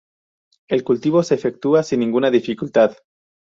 El cultivo se efectúa sin ninguna dificultad.